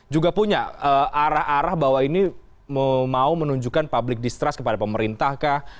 juga punya arah arah bahwa ini mau menunjukkan public distrust kepada pemerintah kah